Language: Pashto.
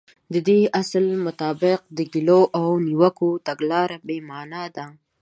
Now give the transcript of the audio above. د دې اصل مطابق د ګيلو او نيوکو تګلاره بې معنا ده.